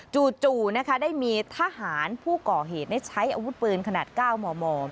จู่นะคะได้มีทหารผู้ก่อเหตุได้ใช้อาวุธปืนขนาด๙มม